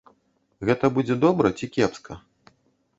Гэта будзе добра ці кепска?